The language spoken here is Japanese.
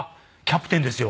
キャプテンです。